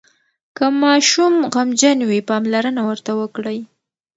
که ماشوم غمجن وي، پاملرنه ورته وکړئ.